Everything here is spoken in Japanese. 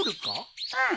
うん。